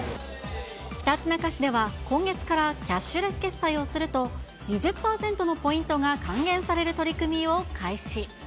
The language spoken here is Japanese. ひたちなか市では今月からキャッシュレス決済をすると、２０％のポイントが還元される取り組みを開始。